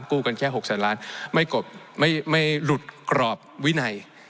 กันแค่๖แสนล้านไม่หลุดกรอบวินัย